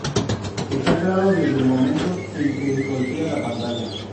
Está claro desde el momento en que golpea la pantalla".